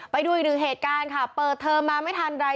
ไปดูอีกหนึ่งเหตุการณ์ค่ะเปิดเทอมมาไม่ทันไร